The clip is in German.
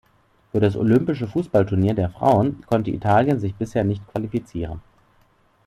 Für das Olympische Fußballturnier der Frauen konnte Italien sich bisher nicht qualifizieren.